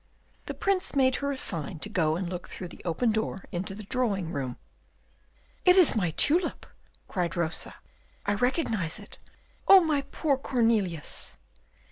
The Prince made her a sign to go and look through the open door into the drawing room. "It is my tulip," cried Rosa, "I recognise it. Oh, my poor Cornelius!"